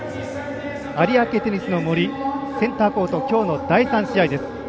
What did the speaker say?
有明テニスの森センターコートきょうの第３試合です。